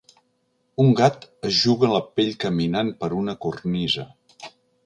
Un gat es juga la pell caminant per una cornisa.